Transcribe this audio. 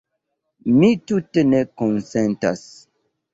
Mi tute ne konsentas.